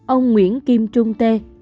ông nguyễn kim trung t